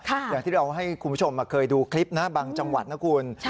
อย่างที่เราให้คุณผู้ชมเคยดูคลิปนะบางจังหวัดนะคุณ